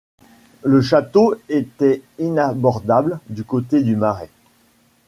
Le château était inabordable du côté du marais.